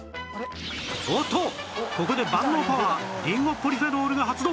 おっとここで万能パワーリンゴポリフェノールが発動